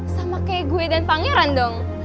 sama kayak gue dan pangeran dong